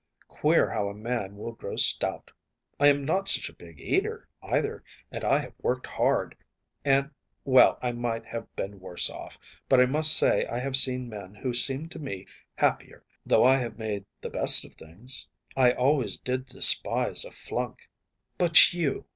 Queer how a man will grow stout. I am not such a big eater, either, and I have worked hard, and well, I might have been worse off, but I must say I have seen men who seemed to me happier, though I have made the best of things. I always did despise a flunk. But you!